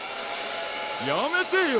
やめてよ！